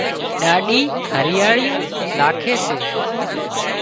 ڏاڏِي هريئاۯيون لاکي سي